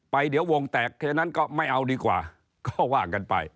ไปเดี๋ยววงแตกแสดงตกไม่เอาดีกว่าก็ว่ากันไป